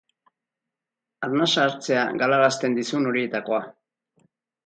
Arnasa hartzea galarazten dizun horietakoa.